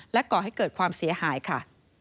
ก่อให้เกิดความเสียหายค่ะ